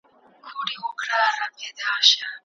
اسلام د ښځو د عفت ساتنه مهمه بولي.